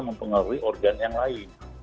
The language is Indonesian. mempengaruhi organ yang lain